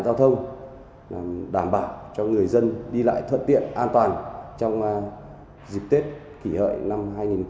giao thông đảm bảo cho người dân đi lại thuận tiện an toàn trong dịp tết kỷ hợi năm hai nghìn một mươi chín